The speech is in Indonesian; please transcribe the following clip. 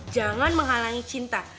jangan menghalangi cinta